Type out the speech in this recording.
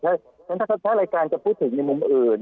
ถ้ารายการจะพูดถึงในมุมอื่น